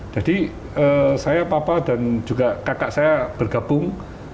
jadi saya papa dan juga kakak saya bergabung